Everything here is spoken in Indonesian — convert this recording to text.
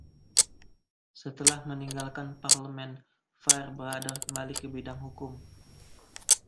Setelah meninggalkan Parlemen, Fairbrother kembali ke bidang hukum.